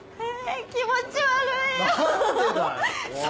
え気持ち悪いよ！